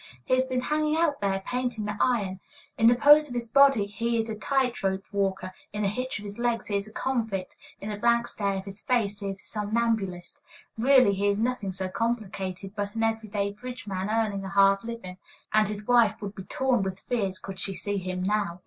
He has been hanging out there, painting the iron. In the pose of his body he is a tight rope walker, in the hitch of his legs he is a convict, in the blank stare of his face he is a somnambulist. Really he is nothing so complicated, but an every day bridge man earning a hard living; and his wife would be torn with fears could she see him now.